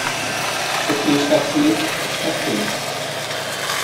O que está feito está feito.